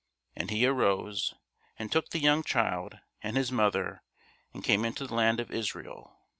And he arose, and took the young child and his mother, and came into the land of Israel.